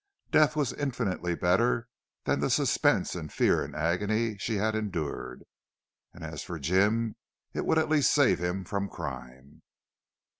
Death was infinitely better than the suspense and fear and agony she had endured; and as for Jim, it would at least save him from crime.